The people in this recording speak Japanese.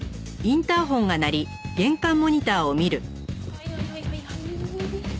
はいはいはいはいはい。